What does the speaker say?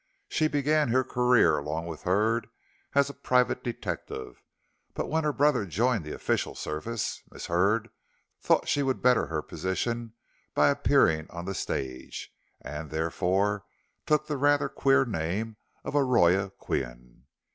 She began her career along with Hurd as a private detective, but when her brother joined the official service, Miss Hurd thought she would better her position by appearing on the stage, and, therefore, took the rather queer name of Aurora Qian.